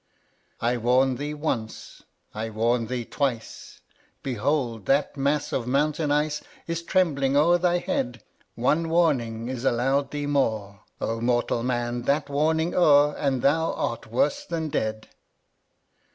18. " I warn thee once ! I warn thee twi:e Behold! that mass of mountain ice Is trembling o'er thy head ! One warning is allow'd thee more ; O mortal Man, that warning o'er. And tliou art worse than dead